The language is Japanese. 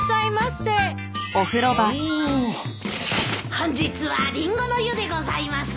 本日はリンゴの湯でございます。